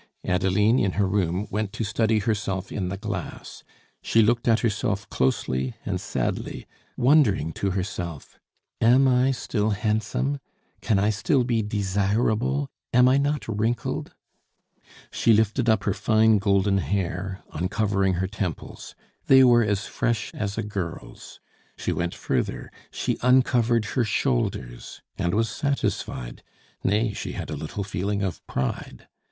Adeline, in her room, went to study herself in the glass. She looked at herself closely and sadly, wondering to herself: "Am I still handsome? Can I still be desirable? Am I not wrinkled?" She lifted up her fine golden hair, uncovering her temples; they were as fresh as a girl's. She went further; she uncovered her shoulders, and was satisfied; nay, she had a little feeling of pride.